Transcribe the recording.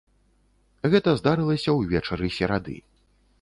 Гэта здарылася ўвечары серады.